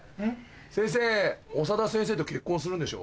先生長田先生と結婚するんでしょ？